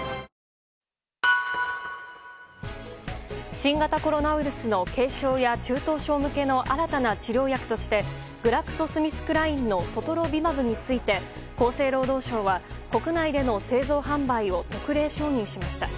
新型コロナウイルスの軽症や中等症向けの新たな治療薬としてグラクソ・スミスクラインのソトロビマブについて厚生労働省は国内での製造・販売を特例承認しました。